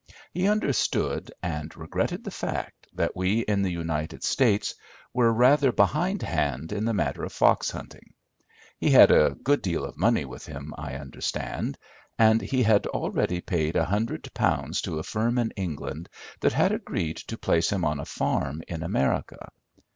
He understood, and regretted the fact, that we in the United States were rather behind hand in the matter of fox hunting. He had a good deal of money with him, I understood, and he had already paid a hundred pounds to a firm in England that had agreed to place him on a farm in America.